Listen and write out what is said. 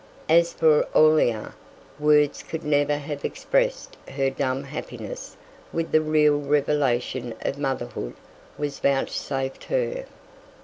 As for Aurelia, words could never have expressed her dumb happiness when the real revelation of motherhood was vouchsafed her.